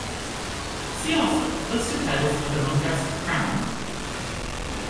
"See also: List of titles of the Monegasque Crown"